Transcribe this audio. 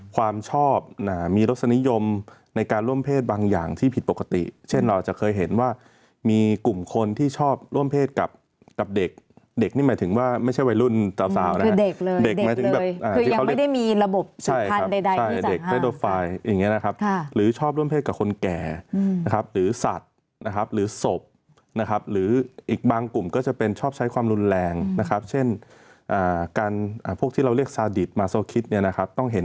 ความชอบอ่ามีลักษณียมในการร่วมเพศบางอย่างที่ผิดปกติเช่นเราจะเคยเห็นว่ามีกลุ่มคนที่ชอบร่วมเพศกับกับเด็กเด็กนี่หมายถึงว่าไม่ใช่วัยรุ่นเศร้าเศร้านะครับคือเด็กเลยเด็กเลยคือยังไม่ได้มีระบบสัมพันธ์ใดใดที่จะห้ามใช่เด็กอย่างเงี้ยนะครับค่ะหรือชอบร่วมเพศกับคนแ